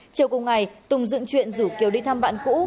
chiều cùng ngày tùng dựng chuyện rủ kiều đi thăm bạn cũ